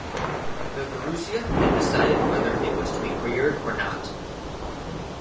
The Gerousia then decided whether it was to be reared or not.